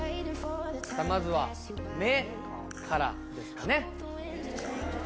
さぁまずは目からですかね。